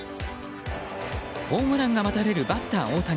ホームランが待たれるバッター大谷。